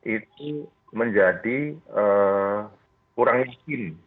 itu menjadi ee kurang izin